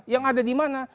yang ada di mana